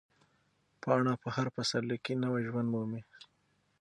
پاڼه په هر پسرلي کې نوی ژوند مومي.